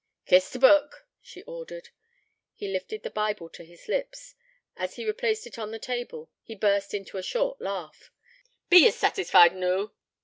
'Kiss t' Book,' she ordered. He lifted the Bible to his lips. As he replaced it on the table, he burst out into a short laugh: 'Be ye satisfied noo?'